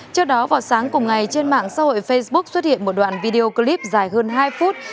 trước đó vào sáng cùng ngày trên mạng xã hội facebook xuất hiện một đoạn video clip dài hơn hai phút